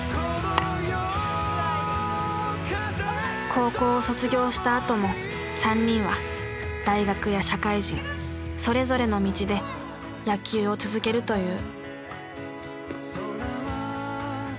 高校を卒業したあとも３人は大学や社会人それぞれの道で野球を続けるという。